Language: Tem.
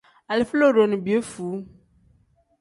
Alifa lodo ni piyefuu.